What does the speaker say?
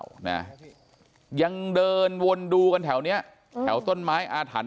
อะไรหรือเปล่านะยังเดินวนดูกันแถวเนี้ยแถวต้นไม้อาถหัน